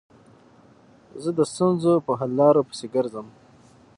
زه د ستونزو په حل لارو پيسي ګرځم.